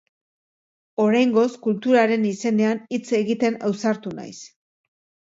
Oraingoz, kulturaren izenean hitz egiten ausartu naiz.